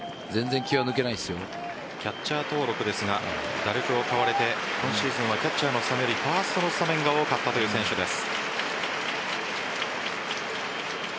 キャッチャー登録ですが打力を買われて今シーズンはキャッチャーよりファーストのスタメンが多かった選手です。